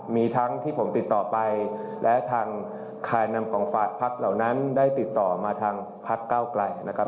มีทั้งที่ผมติดต่อไปและทางคลายนำของฝากพักเหล่านั้นได้ติดต่อมาทางพักเก้าไกลนะครับ